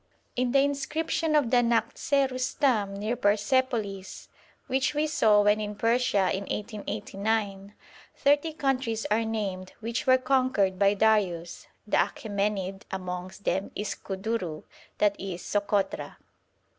In the inscription of the Nakhtshe Rustam, near Persepolis, which we saw when in Persia in 1889, thirty countries are named which were conquered by Darius, the Akhemenid, amongst them Iskuduru, i.e. Sokotra.